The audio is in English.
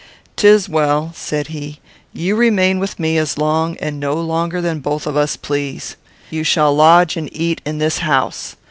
"'Tis well," said he. "You remain with me as long and no longer than both of us please. You shall lodge and eat in this house.